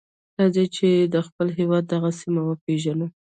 راځئ چې د خپل هېواد دغه سیمه وپیژنو.